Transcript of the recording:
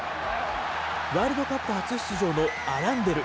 ワールドカップ初出場のアランデル。